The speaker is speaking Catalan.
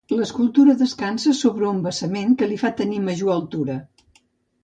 L'escultura descansa sobre un basament que li fa tenir major altura.